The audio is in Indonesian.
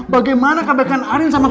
bagaimana kebaikan arin sama papa